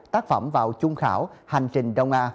tác phẩm vào chung khảo hành trình đông a